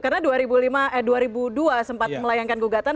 karena dua ribu dua sempat melayangkan gugatan